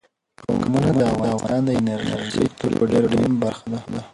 قومونه د افغانستان د انرژۍ سکتور یوه ډېره مهمه برخه ده.